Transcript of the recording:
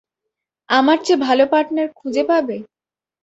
আমার চেয়ে ভালো পার্টনার খুঁজে পাবে?